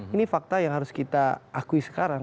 ini fakta yang harus kita akui sekarang